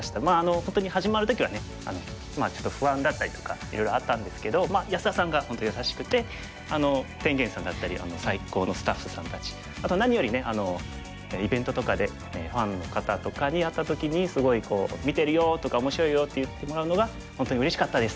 本当に始まる時はねちょっと不安だったりとかいろいろあったんですけど安田さんが本当優しくて天元さんだったり最高のスタッフさんたちあと何よりねイベントとかでファンの方とかに会った時にすごい「見てるよ」とか「面白いよ」って言ってもらうのが本当にうれしかったです。